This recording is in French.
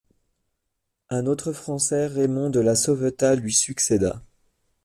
Un autre Français, Raymond de La Sauvetat, lui succéda.